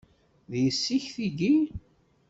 D yessi-k tigi?